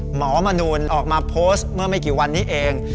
หมอมนูลออกมาโพสต์เมื่อไม่กี่วันนี้เอง